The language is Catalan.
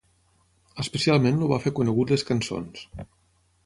Especialment el va fer conegut les cançons.